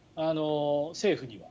政府には。